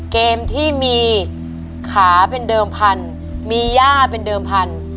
เกมที่มีขาเป็นเดิมพันธุ์มีย่าเป็นเดิมพัน